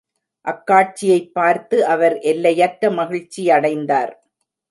அக்காட்சியைப்பார்த்து அவர் எல்லையற்ற மகிழ்ச்சியடைந்தார்.